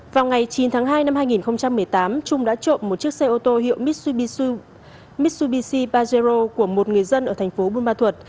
vào ngày chín tháng hai năm hai nghìn một mươi tám trung đã trộm một chiếc xe ô tô hiệu mitsubisu mitsubishi pazero của một người dân ở thành phố buôn ma thuật